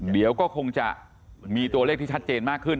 เดี๋ยวก็คงจะมีตัวเลขที่ชัดเจนมากขึ้น